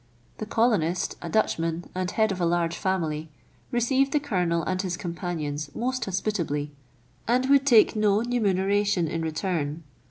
The colonist, a Dutchman, and head of a large family, received the Colonel and his companions most hospitably, and would take no remuneration in return.